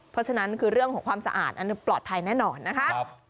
เพราะฉะนั้นคือเรื่องของความสะอาดนั้นปลอดภัยแน่นอนนะคะ